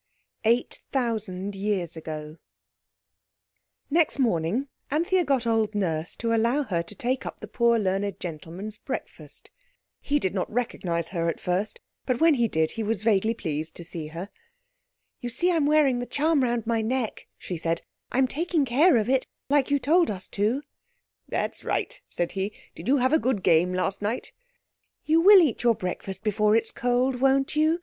EIGHT THOUSAND YEARS AGO Next morning Anthea got old Nurse to allow her to take up the "poor learned gentleman's" breakfast. He did not recognize her at first, but when he did he was vaguely pleased to see her. "You see I'm wearing the charm round my neck," she said; "I'm taking care of it—like you told us to." "That's right," said he; "did you have a good game last night?" "You will eat your breakfast before it's cold, won't you?"